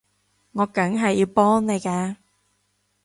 我梗係要幫你㗎